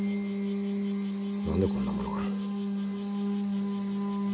何でこんなものが。